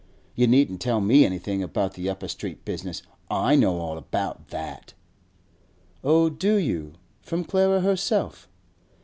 You needn't tell me anything about the Upper Street business; I know all about that!' 'Oh, do you? From Clara herself?